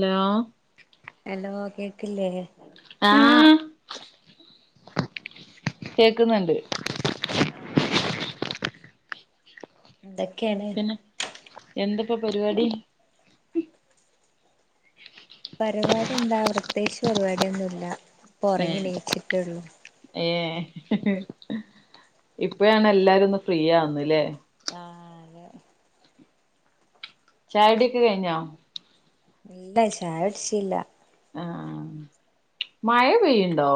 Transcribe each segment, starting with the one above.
Hello. Hello കേക്കില്ലേ? ആ കേക്കുന്നുണ്ട്. ആ എന്തൊക്കെണ്? ഇപ്പൊ പരിപാടി. പരിപാടി എന്താ, പ്രത്യേകിച്ച് പരിപാടിയൊന്നുല്ല. ഇപ്പൊ ഉറങ്ങി നീചിട്ടൊള്ളു. ഇപ്പോഴാണ് എല്ലാരും ഒന്ന് ഫ്രീയാവുന്നല്ലേ? ആ ല്ലെ. ചായകുടിയൊക്കെ കഴിഞ്ഞോ? ഇല്ല, ചായ കുടിച്ചീല. ആ, മഴ പെയ്യുണ്ടോ?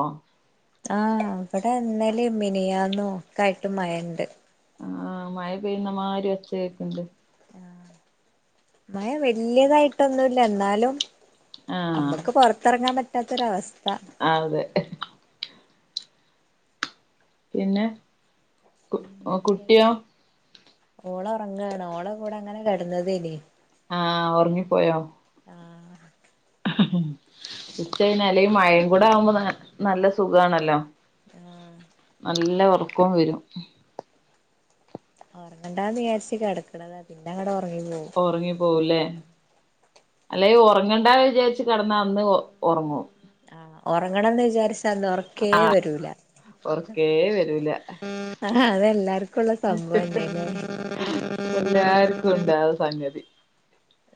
ആഹ് ഇവിടെ ഇന്നലിം മിനിയാന്നും ഒക്കെ ആയിട്ട് മഴണ്ട്. ആ മഴ പെയ്യുന്നമാരി ഒച്ച കേക്ക്ണ്ട്. മഴ വല്യതായിട്ടൊന്നുല്ല, ന്നാലും- നമ്മക് പൊറത്തെറങ്ങാൻ പറ്റാത്തൊരവസ്ഥ. ആതെ. പിന്നെ [unintelligible] കുട്ടിയോ? ഓളൊറങ്ങാണ്. ഓളെ കൂടെ അങ്ങനെ കേട്ന്നതേയ്നി. ആ ഉറങ്ങിപ്പോയോ? ആഹ് [unintelligible] അല്ലെങ്കി മയേം കൂടെ ആവുമ്പൊ ന നല്ല സുഖാണല്ലോ. ആ [unintelligible] ക്കോം വരും. ഉറങ്ങേണ്ടന്ന് വിചാരിച്ച് കിടക്കണത്. പിന്നെങ്ങണ്ട് ഓറങ്ങും. ഒറങ്ങി പോവുംല്ലേ. അല്ലെങ്കി ഉറങ്ങണ്ട വിചാരിച്ചു കിടന്നാ അന്ന് ഒ ഒറങ്ങും. ആ, ഉറങ്ങണംന്ന് വിചാരിച്ച് [inaudible] [unintelligible] ന്ന് ഉറക്കേ വരൂല. ഉറക്കേ വരൂല ആ ആ അതെല്ലർക്കും [inaudible] [unintelligible] എല്ലാർക്കും ഉണ്ടാവും സംഗതി.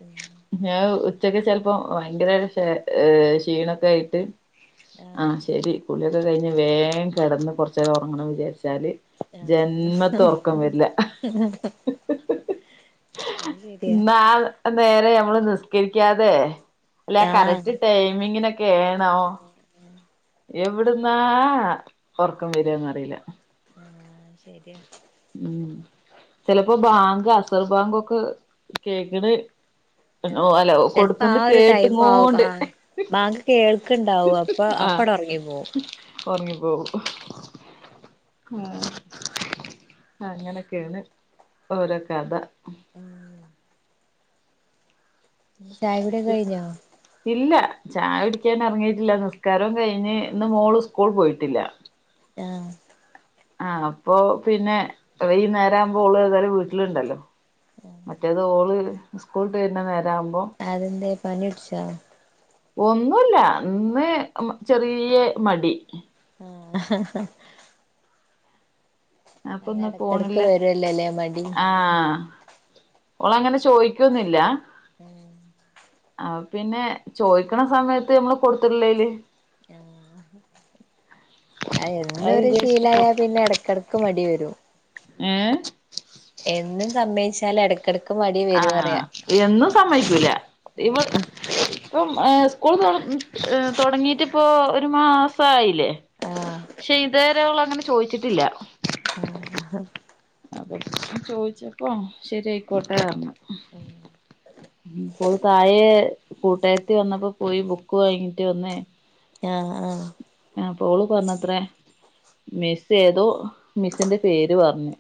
ഉം [unintelligible] [unintelligible] ഉച്ചക്ക് ചെലപ്പോ ഭയങ്കര എ ക്ഷീണൊക്കെ ആയിട്ട്- ആ ആഹ് ശരി. കുളിയൊക്കെ കഴിഞ്ഞ് വേം കിടന്ന് കൊറച്ചേരം ഉറങ്ങണം വിചാരിച്ചാല്- [unintelligible] [unintelligible] ഒറക്കം വെര്ല അത് ശരിയാ [unintelligible] നേരെ നമ്മള് നിസ്കരിക്കാതെ, ല്ലെ ആ ആഹ് കറക്റ്റ് ടൈമിങ്ങിനൊക്കെ, എ ഏണോ,? എവിടുന്നാ ഒറക്കം വെരാന്ന് അറീല. ആ ശരിയാ [inaudible] ഉം, ചിലപ്പോ ബാങ്ക്, അസർ ബാങ്കോക്കെ കേക്കണ് [inaudible] ഓ ആഹ് ഹലോ ചെലപ്പോ ആ കൊടുക്കുന്ന് ഒരു ടൈം ആവും കേട്ടിങ്ങോണ്ട്- ആഹ് ബാങ്ക് കേൾക്ക്ണ്ടാവും അപ്പൊ [unintelligible] ആ അപ്പട് ഒറങ്ങി പോവും ഉറങ്ങിപ്പോകും [unintelligible] ആ, അങ്ങനൊക്കെണ്. ഓരോ കഥ. ഉം. [unintelligible] ചായ കുടി ഒക്കെ കഴിഞ്ഞോ? ഇല്ല ചായ കുടിക്കാൻ എറങ്ങീട്ടില്ല. നിസ്കാരവും കയിഞ്ഞ്, ന്ന് മോൾ സ്കൂൾ പോയിട്ടില്ല. ആ [unintelligible] ആ അപ്പൊ പിന്നെ, ഈ നേരാവുമ്പോ ഓള് ഏതായാലും വീട്ടില്ണ്ടല്ലോ. മറ്റേത് ഓള് സ്കൂൾ വിട്ട് വെർന നേരത്ത് [inaudible] അതെന്തേ? പനി പിടിച്ചാ? ഒന്നുമല്ല അന്ന് ചെറിയ മടി ഹ ഹ അപ്പൊ ഒന്നും എടക്കെടക്ക് പോണില്ല വരുവല്ലോല്ലേ മടി ആഹ ഓള അങ്ങനെ ചോദിക്കന്നില്ല ഉം [unintelligible] ആ പിന്നെ ചോദിക്കണ സമയത്ത് നമ്മള് കൊടുത്തിട്ടില്ലല് അ എന്ന അത് ഒരു വിചാരിച്ചിട്ട് ശീലയാ പിന്നെ ഇടക്കിടക്ക് മടി വരും. ഏ എന്നും സമ്മയച്ചാല എട ആഹ എന്നും സമ്മക്കൂല ഇവ ആഹ് [unintelligible] ഇപ്പം സ്കൂൾ തുടങ്ങിയിട്ടിപ്പോൾ ഒരു മാസയില്ലേ ആഹ് പക്ഷെ ഇതവര അവള അങ്ങനെ ചോയിച്ചിട്ടില്ല. ആഹ [unintelligible] അപ്പൊ ചോദിച്ചപ്പോ ശരി ആയിക്കോട്ടെ പറഞ്ഞു. ഉം ഇപ്പോൾ താഴെ കൂട്ടായത്തി വന്നപ്പോ പോയി ബുക്ക് വാങ്ങിട്ട് വന്നേ ആഹ് ആ ആ പോള് പറഞ്ഞത്രേ മിസ് ഏതോ മിസ്സിന്റെ പേര് പറഞ്ഞു.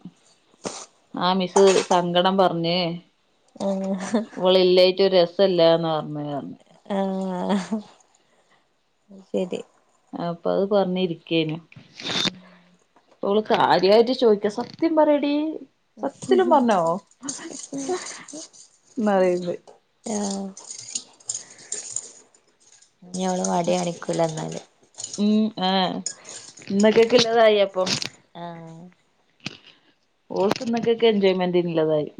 ആഹ മിസ്സ് സങ്കടം പറഞ്ഞേ അവള ഇല്ലായിറ്റ് രസല്ലന്ന പറഞ്ഞ ആഹ് ആഹ് ശരി അപ്പൊ അത് പറഞ്ഞ ഇരിക്കേന അവള് കാര്യമായിട്ട് ചോദിക്ക സത്യം പറയടി സത്യത്തിലും പറഞ്ഞോ [unintelligible] ആ വാടയാണിക്കൂല എന്നാല് ഉം ആഹ ഇന്നൊക്കെക്കള്ളതായി അപ്പൊ ആഹ് ഓൾക്കിന്നക്കകുള്ള എൻജോയ്മെൻഡിനുള്ളതായി.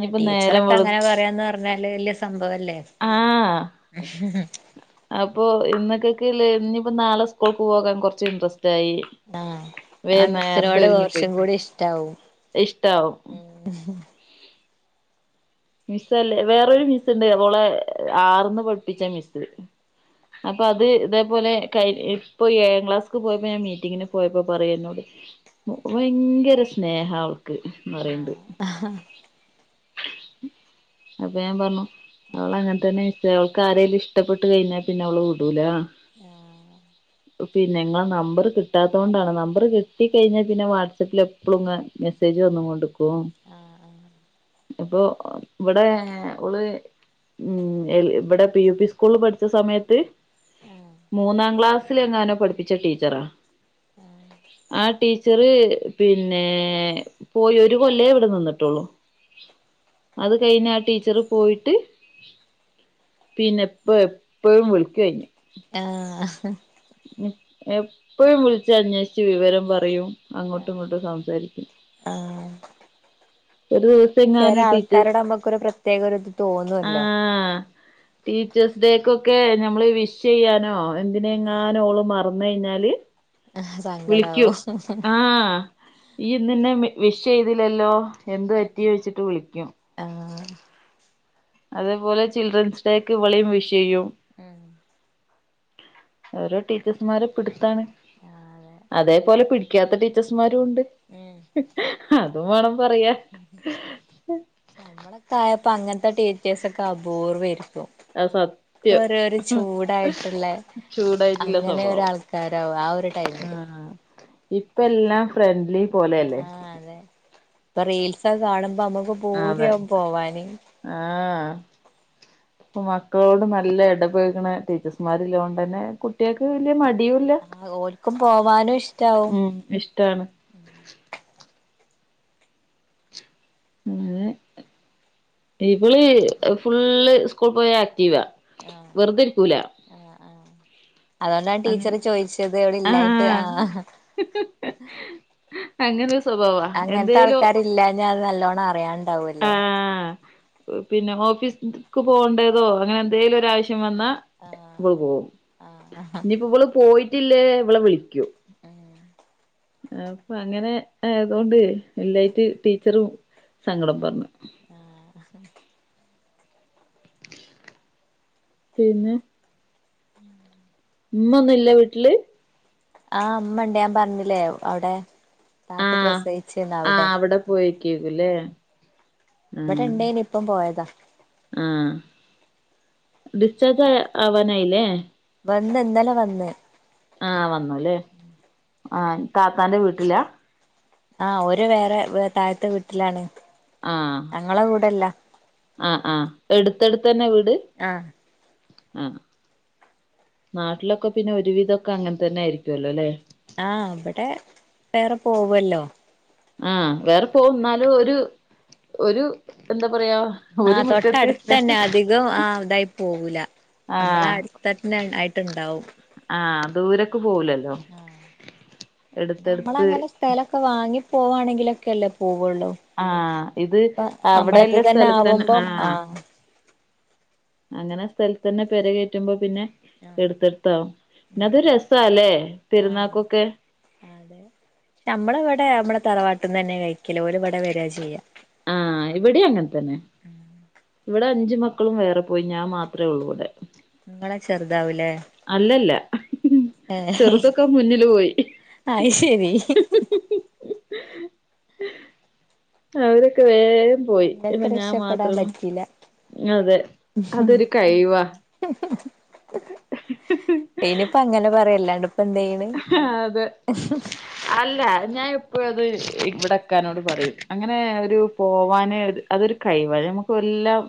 ആ ടീച്ചറൊക്കെ അങ്ങനെ പറയാന്ന് പറഞ്ഞാല് വല്യ സംഭവല്ലേ? ആഹ് ഉ ഇന്നക്കൊക്ക ഇനിയിപ്പോ നാളെ സ്കൂൾക്ക് പോകാൻ കുറച്ച് ഇൻടറസ്റ്റ് യി ആഹ് വേ ആ നേരത്തെ മിസ്സിനോട് ഒരുങ്ങി പോയി കൊറച്ചും കൂടി ഇഷ്ടാവും ഉം മിസലേ വേറരു മിസ്സുണ്ട് ഓളെ ആർന്ന് പഠിപ്പിച്ച മിസ്സ് അപ്പൊ അത് ഇതേപോലെ ക ഇപ്പൊ ഏഴാം ക്ലാസ്ക് പോയപ്പോ ഞാൻ മീറ്റിങ്ങിന് പോയപ്പോ പറയും എന്നോട് ഭയങ്കര സ്നേഹം അവൾക്ക് എന്ന് പറയണ്ട് ആഹ് ഉ അപ്പൊ ഞാൻ പറഞ്ഞു അവളങ്ങനെ തന്നെ മിസ്സെ അവൾക്ക് ആരേലും ഇഷ്ടപ്പെട്ട് കഴിഞ്ഞാൽ പിന്നെ അവള് വിടൂല ആഹ പിന്നെങ്ങളെ നമ്പർ കിട്ടാത്തത കൊണ്ടാണ് നമ്പർ കിട്ട കഴിഞ്ഞാൽ പിന്നെ വാട്സആപ്പിൽ എപ്പോഴും മെസ്സേ ന്നും കൊണ്ട്ക്കും ആഹ് ഇപ്പൊ ഇവിടെ ഓള് ഉം ഇവിടെ പി യു പി സ്കൂള പഠിച്ച സമയത്ത് ആഹ് മൂന്നാം ക്ലാസ്സിലങ്ങാനോ പഠിപ്പിച്ച ടീച്ചറാ ആ ടീ ചെറിയ പിന്നെ പോയി ഒരു കൊല്ലേ ഇവിടെ നിന്നിട്ടുള്ളൂ. അത് കഴിഞ്ഞ ആ ടീച്ചറ് പോയിട്ട് പിന്നെപ്പ എപ്പഴും വിളിക്കയിൻ ആഹ എപ്പഴും വിളിച്ച അന്വേഷിച്ച് വിവരം പറയും അങ്ങോട്ടും ഇങ്ങോട്ടും സംസാരിക്കും ആഹ് ഒരു ദിവസം ചെല എങ്ങാനോ ടീച്ചേസ് ആൾക്കാരോട് നമ്മക്കൊരു പ്രത്യേക ഒരു ഇത് ആ തോന്നുവല്ലോ ടീച്ചേഴസ് ഡേക്കൊക്കെ നമ്മള് വിഷ് ചെയ്യാനോ എന്തിനെങ്ങാനോ ഓള് മറന്നഴിഞ്ഞാ ൽ വിളിക്കൂ ആ സങ്കടാവും ഈ ഇന്നെന്നെ വിഷ് ചെയ്തില്ലല്ലോ എന്ത് പറ്റി ചോയിച്ചിട്ട് വിളിക്കും ആഹ് അതേപോലെ ചിൽഡ്രൻസ് ഡേക്ക് ഇവളയും വിഷ് ചെയ്യും ഉം ഓരോ ടീച്ചേഴ്സ്മാരെ പിടുത്താണ് ഉം അതേപോലെ പിടിക്കാത്ത ടീച്ചേർസ്മാരും ഉണ്ട് അതും വേണം പറയാൻ നമ്മളൊക്കെ ആയപ്പോ അങ്ങനത്തെ ടീച്ചേഴ്സൊക്കെ അപൂർവായിരുന്നു അത് സത്യം ഒക്കൊരു ഒരു ചൂടായിട്ടുള്ള ചൂടായിട്ടില്ല അങ്ങനൊരു സ്വഭാവം ആൾക്കാര ആ ഒരു ടൈമില് ആഹ് ഇപ്പ എല്ലാം ഫ്രണ്ട്ലി പോലെയല്ലേ ആഹ് അതെ ഇപ്പൊ റീൽസൊക്കെ കാണുമ്പോ നമ്മുക്ക് അതെ പൂതിയാവും പോവാന് ആഹ് ഇപ്പൊ മക്കളോട് നല്ല ഇടപഴുകണ ടീച്ചേഴസ്മാര് ഉള്ളോണ്ട് തന്നെ കുട്ടികൾക്ക് വലിയ മ ടിയുല്ല ആഹ് ഓൽക്കും പോവാനും ഇഷ്ടാവും ഉം ഇഷ്ടാണ് ഇവള് ഫുള് സ്കൂൾ പോയ ആക്റ്റീവാ ആഹ് വെറുതെരിക്കൂല ആഹ് ആഹ് അതുകൊണ്ടാണ് ടീച്ചർ ചോദിച്ചത് ഇവിടെ ആ ഇല്ലായിട്ട് ആഹ് അങ്ങനെ അങ്ങനത്തെ ആൾക്കാരില്ലാഞ്ഞ അത് നല്ലോണം അറിയാനിണ്ടാവല്ലോ ആഹ് പിന്നെ ഓഫീസിക്ക് പോകേണ്ടേതോ അങ്ങനെ എന്തേലും ഒരാവശ്യം വന്നാ ആഹ് ഇവള് പോകും ആഹ് ഇനിപ്പോ ഇവള് പോയിട്ടില്ലേ ഇവള വിളിക്കൂ ഉം അപ്പ അങ്ങനെയായതുകൊണ്ട് ഇല്ലാഞ്ഞിട്ട് ടീച്ചറും സങ്കടം പറഞ്ഞു ആഹ പിന്നെ ഉം ഉമ്മ ഒന്നും ഇല്ലേ വീട്ടില് ആഹ് അമ്മയൊണ്ട് ഞാൻ പറഞ്ഞില്ലേ അവിടെ താത്ത ആഹ് പ്രസയിച്ചെന്ന് അവിടെ ആഹ് പോയേക്കേക്കുല്ലേ ഇവിടെ ആഹ് ഉണ്ടായിനു ഇപ്പം പോയതാ ആഹ് ഡിസ്ചാർജ് ആവാനായില്ലേ വന്ന് ഇന്നലെ വന്ന് ആഹ് വന്നൂലേ ആഹ് താത്താന്റെ വീട്ടിലാ ആഹ് ഓര് വേറെ താഴത്തെ വീട്ടിലാണ് ആഹ് ഞങ്ങളെ കൂടെല്ല ആഹ് ആഹ് അടുത്തെടുത്തന്നെ വീട് ആ ആഹ് നാട്ടിലൊക്കെ പിന്നെ ഒരുവിധൊക്കെ അങ്ങനെ തന്നെയായിരിക്കുവല്ലോ അല്ലെ ആഹ് ഇവിടെ വേറെ പോവൊല്ലോ ആഹ് വേറെ പോ എന്നാലും ഒരു ഒരു എന്താ പറയാ ഒരു ആഹ് മുറ്റത്ത് തൊട്ടടത്തന്നെ അധികം ആ ഇതായി പോവൂല നമ്മെളേ ആഹ് അടുത്തന്നെ ആയിട്ടൊണ്ടാവും ആഹ് ദൂരക്ക് പോവൂലല്ലോ ആഹ് പിന്നെ എടുത്തെടുത്ത് നമ്മളങ്ങനെ സ്ഥലൊക്കെ വാങ്ങി പോവാണെങ്കിലൊക്കെല്ലേ പോ ആഹ് ഇത് നമ്മളത് അവിടെയൊള്ള തന്നെ സ്ഥലത്തന്നെ ആവുമ്പം ആ ആഹ് അങ്ങനെ സ്ഥലത്തന്നെ പെരകേറ്റുമ്പോ പിന്നെ ആ എടുത്തെടുത്താവും പിന്ന അത് രസാല്ലേ ആ പെരുന്നാക്കൊക്കെ അതെ നമ്മള് ഇവിടെ നമ്മെടെ തറവാട്ടിന്ന് തന്നെ കഴിക്കല് ഓര് ഇവിടെ വരാ ചെയ്യാ ആഹ് ഇവിടെയും അങ്ങനെ തന്നെ ഇവിടെ അഞ്ചു മക്കളും വേറെ പോയി ഞാൻ മാത്രമേ ഉള്ളൂവിടെ നിങ്ങളെ ചെറുതാവൂലേ അല്ലല്ല ആഹ് ചെറുതൊക്കെ മുന്നില് പോയി അയ്ശെരി അവരൊക്കെ വേ രെയും പോയി ഇങ്ങക്ക് പിന്നെ ഞാൻ രക്ഷപ്പെടാൻ മാത്രേയുള്ളൂ. പറ്റില്ല അതെ അതൊരു കൈവാ. ഇനിയിപ്പ അങ്ങനെ പറയല്ലാണ്ടും അതെ. അല്ല ഞാ അത് ഇവിടെ ഇക്കനോട് പറയും. അങ്ങനൊരു പോവാന് രു അതൊരു കഴ്‌വ ഞമ്മെക്ക് എല്ലാം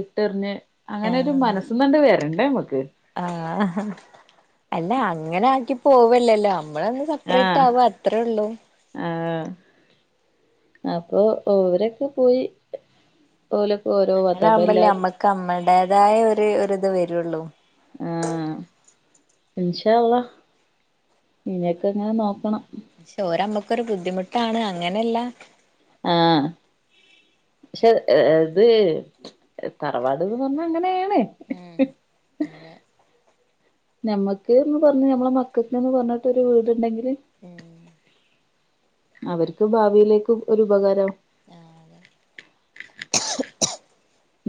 ഇട്ടെറിഞ്ഞ് അങ്ങനൊരു ആഹ് മനസ്സന്നണ്ട് വരണ്ടേ നമ്മക്ക്. ഇങ്ങനെയാക്കി പോവല്ലല്ലോ. നമ്മളൊന്ന് ആഹ് സപ്പറേറ്റാവാ അത്രേള്ളൂ. ആഹ് അപ്പൊ ഓവരൊക്കെ പോയി ഓലെക്കെ ഒരോ പത്ത അപ്പോ എല്ലാരും അതായ ഒര് ഒരിത് വെരുവൊള്ളൂ. ആഹ് ഇൻഷ അള്ളാ നിനെക്കെ അങ്ങനെ നോക്കണം. പക്ഷെ ഒരമ്മക്കൊരു ബുദ്ധിമുട്ടാണ് അങ്ങനെല്ല. ആഹ് പക്ഷെ ഇത് തറവാട്ന്ന് പറഞ്ഞായിങ്ങെനെയാണ്. ഉം അതെ ഞമ്മക്ക് എന്ന് പറഞ്ഞ് നമ്മെളെ മക്കക്കെന്ന് പറഞ്ഞിട്ടൊരു വീടുണ്ടെങ്കിൽ. ഉം അവർക്ക് ഭാവിയിലേക്കും ഒരു ഉപകാരം ആഹ് അതെ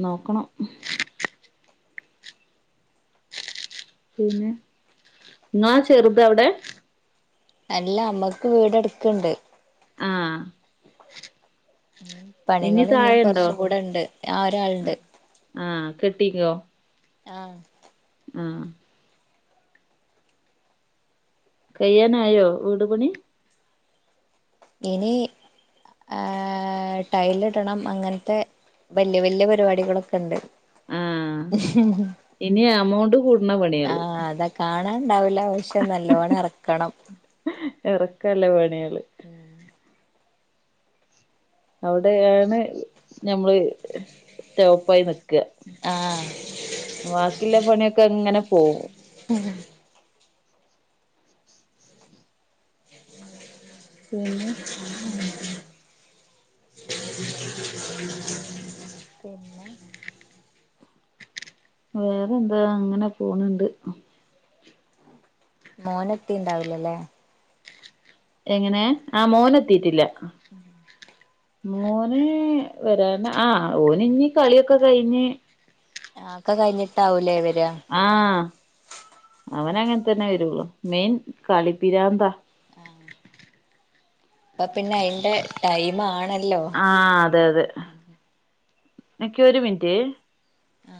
നോക്കണം പിന്നെ ങ്ങാളാ ചെറുത്ത് എവിടെ? അല്ലമ്മക്ക് വീട് അടുത്തുണ്ട്. ആാാ ഇനി പണികളിനി താഴെണ്ടോ കൊറച്ചുക്കൂടെയൊണ്ട്. ആ ഒരാളൊണ്ട്. കിട്ടിക്കോ ആ ആ കയ്യാനായോ വീട് പണി. ഇനി ഏ ടൈല് ഇടണം അങ്ങനത്തെ വല്യ വല്യ പരിപാടികളൊക്കെ ഉണ്ട്. ആ, ഇനി എമൗണ്ട് കൂടുന്ന പണിയാൾ അങ്ങനെ ഉണ്ടാവൂല്ല പക്ഷേ നല്ലോണം ഇറക്കണം. ക്കൊ പണിയാ അവിടെയാണ് ഞമ്മള് സ്റ്റോപ്പായി നിക്ക ക്കാ ആഹ് ബാക്കിയുള്ള പണിയൊക്കെ ഇങ്ങനെ പോകും ഉം പിന്നെ പിന്നെ വേറെ എന്താ അങ്ങനെ പോണ്ണ്ട്‌ മോനത്തി ഉണ്ടാവിലല്ലേ? എങ്ങനെ ആ മോനെത്തീട്ടില്ല. ഉം മോന് വരാന്, ആ ഓന് ഇനി കളിയൊക്കെ കഴിഞ്ഞ് ആ ഒക്കെ കഴിഞ്ഞിട്ടാവൂലേ വരിക ആ, അവന് അങ്ങനെ തന്നെ വരുള്ളു, മെയിൻ കളിപിരാന്താ. ആ അപ്പൊ പിന്നെ അയിന്റെ ടൈം ആണല്ലോ നിക്കെ ഒരു മിനിറ്റ് ആ